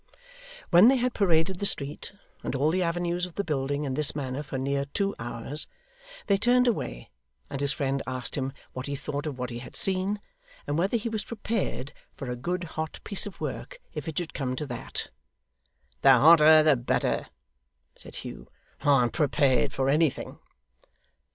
When they had paraded the street and all the avenues of the building in this manner for near two hours, they turned away, and his friend asked him what he thought of what he had seen, and whether he was prepared for a good hot piece of work if it should come to that. 'The hotter the better,' said Hugh, 'I'm prepared for anything.